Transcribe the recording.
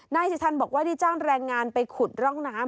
นายสิทันบอกว่าได้จ้างแรงงานไปขุดร่องน้ำ